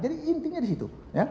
jadi intinya di situ